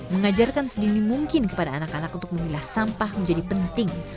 mengajarkan sedini mungkin kepada anak anak untuk memilah sampah menjadi penting